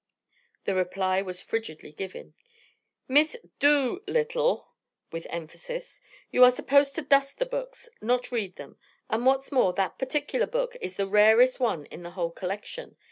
The reply was frigidly given: "Miss Do little," with emphasis, "you are supposed to dust the books, not read them; and what's more, that particular book is the rarest one in the whole collection.